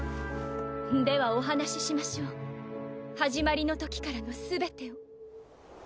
ではお話ししましょう始まりのときからの全てを。